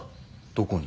どこに？